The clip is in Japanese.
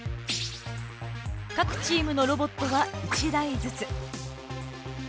各チームのロボットは１台ずつ。